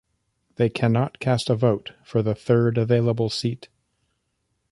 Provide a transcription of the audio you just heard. They cannot cast a vote for the third available seat.